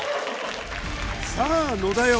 さあ野田よ